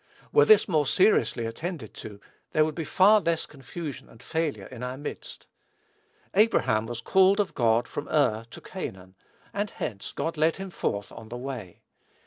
Were this more seriously attended to, there would be far less confusion and failure in our midst. Abraham was called of God from Ur to Canaan, and hence, God led him forth on the way.